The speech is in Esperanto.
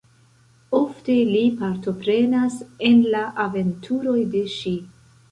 Ofte li partoprenas en la aventuroj de ŝi.